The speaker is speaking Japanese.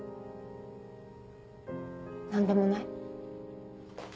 何でもない。